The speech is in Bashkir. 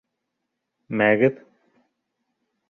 Мәгеҙ!